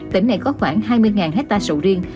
tỉnh này có khoảng hai mươi hectare sầu riêng